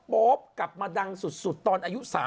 โป๊ปกลับมาดังสุดตอนอายุ๓๐